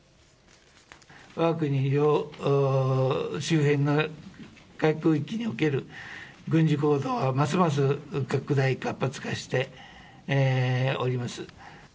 わが国周辺の海空域における、軍事行動はますます拡大、活発化しております。